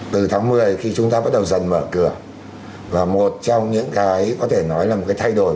từ tháng một mươi khi chúng ta bắt đầu dần mở cửa và một trong những cái có thể nói là một cái thay đổi